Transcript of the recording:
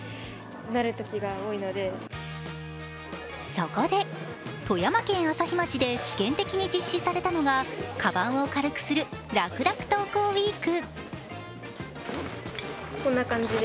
そこで、富山県朝日町で試験的に実施されたのがかばんを軽くするらくらく登校ウイーク。